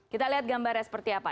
kita lihat gambarnya seperti apa